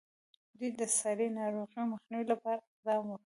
دوی د ساري ناروغیو مخنیوي لپاره اقدام وکړ.